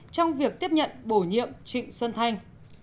trong việc tiếp nhận bổ nhiệm trịnh xuân thành